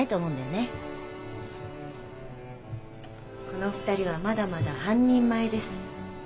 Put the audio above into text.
この２人はまだまだ半人前です。